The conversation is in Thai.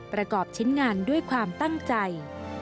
ประกอบชิ้นงานด้วยความตั้งใจ